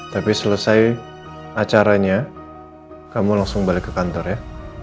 tapi selesai acaranya kamu langsung balik ke kantor ya